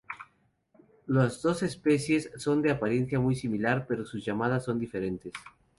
Las dos especies son de apariencia muy similar, pero sus llamadas son diferentes.